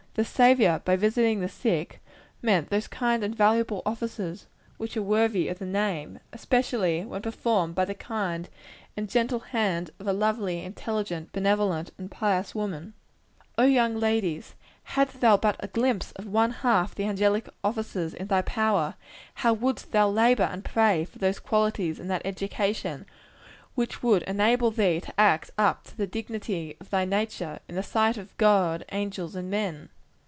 The Saviour, by visiting the sick, meant those kind and valuable offices which are worthy of the name; especially, when performed by the kind and gentle hand of a lovely, intelligent, benevolent and pious woman. Oh, young woman! hadst thou but a glimpse of one half the angelic offices in thy power, how wouldst thou labor and pray for those qualities and that education, which would enable thee to act up to the dignity of thy nature, in the sight of God, angels and men!